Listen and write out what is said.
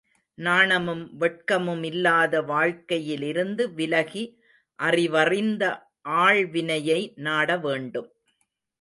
நாணமும் வெட்கமுமில்லாத வாழ்க்கையிலிருந்து விலகி அறிவறிந்த ஆள்வினையை நாட வேண்டும்.